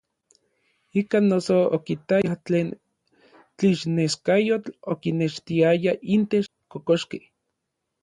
Ikan noso okitaya tlen tlixneskayotl okinextiaya intech kokoxkej.